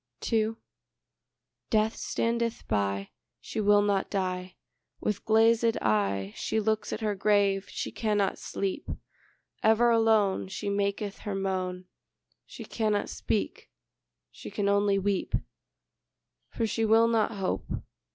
II Death standeth by; She will not die; With glazèd eye She looks at her grave: she cannot sleep; Ever alone She maketh her moan: She cannot speak; she can only weep; For she will not hope.